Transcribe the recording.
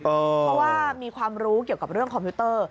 เพราะว่ามีความรู้เกี่ยวกับเรื่องคอมพิวเตอร์